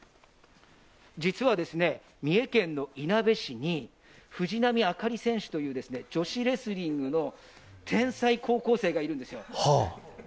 実は三重県のいなべ市に、ふじなみあかり選手という女子レスリングの天才高校生がいるんですよ。